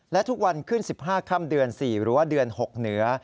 และทุกวันขึ้น๑๕ค่ำเดือน๔หรือว่าเดือน๖เหนือ